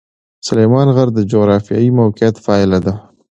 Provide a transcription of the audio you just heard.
سلیمان غر د جغرافیایي موقیعت پایله ده.